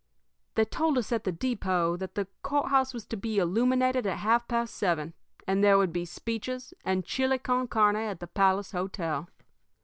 "They told us at the depot that the courthouse was to be illuminated at half past seven, and there would be speeches and chili con carne at the Palace Hotel.